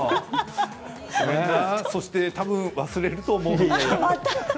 そして多分、忘れると思う。